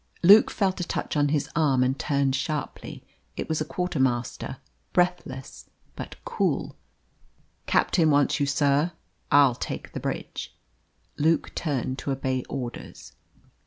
Luke felt a touch on his arm and turned sharply. It was a quartermaster, breathless but cool. "Captain wants you, sir. I'll take the bridge." Luke turned to obey orders.